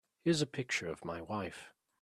Here's the picture of my wife.